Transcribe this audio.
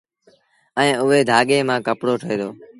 ائيٚݩ اُئي ڌآڳي مآݩ ڪپڙو ٺهي دو